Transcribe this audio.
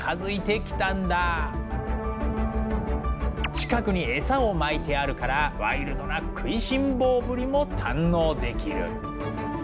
近くに餌をまいてあるからワイルドな食いしん坊ぶりも堪能できる。